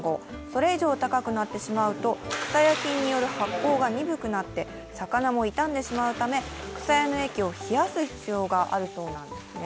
それ以上高くなってしまうと、くさや菌による発酵が鈍くなって魚も傷んでしまうため、くさやの液を冷やす必要があるそうなんですね。